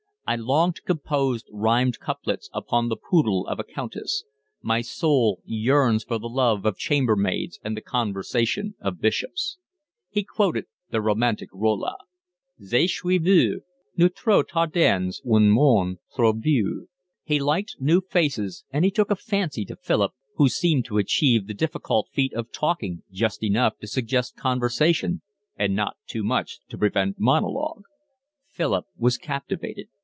I long to compose rhymed couplets upon the poodle of a countess. My soul yearns for the love of chamber maids and the conversation of bishops." He quoted the romantic Rolla, "Je suis venu trop tard dans un monde trop vieux." He liked new faces, and he took a fancy to Philip, who seemed to achieve the difficult feat of talking just enough to suggest conversation and not too much to prevent monologue. Philip was captivated.